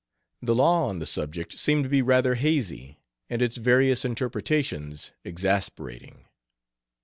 The law on the subject seemed to be rather hazy, and its various interpretations exasperating.